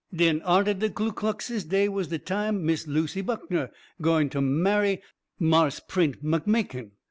"Den arter de Ku Kluxes dey was de time Miss Lucy Buckner gwine ter mahy Marse Prent McMakin.